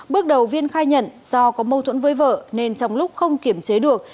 bước đầu viên khai nhận do có mâu thuẫn với vợ nên trong lúc không kiểm chế được